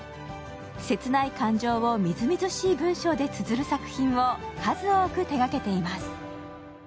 切ない感情をみずみずしい文章でつづる作品を数多く手がけています。